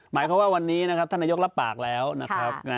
หมายความว่าวันนี้นะครับท่านนายกรับปากแล้วนะครับ